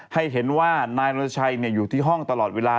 ให้เห็นว่านายรณชัยอยู่ที่ห้องตลอดเวลา